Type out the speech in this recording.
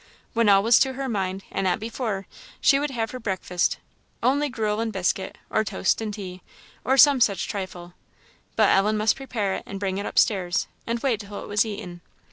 When all was to her mind, and not before, she would have her breakfast, only gruel and biscuit, or toast and tea, or some such trifle, but Ellen must prepare it, and bring it up stairs, and wait till it was eaten.